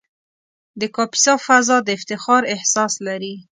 د کاپیسا فضا د افتخار احساس لري.